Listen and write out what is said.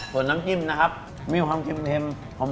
ส่วนน้ำจิ้มนะครับมีความเค็ม